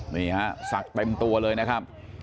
นี่ฮะสักเป็นตัวเลยนะครับ